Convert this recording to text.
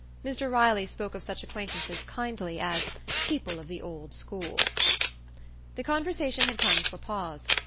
Mr Riley spoke of such acquaintances kindly as "people of the old school." The conversation had come to a pause.